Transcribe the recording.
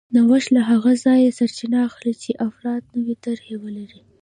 نوښت له هغه ځایه سرچینه اخلي چې افراد نوې طرحې ولري